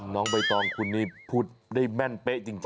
น้องใบตองคุณนี่พูดได้แม่นเป๊ะจริง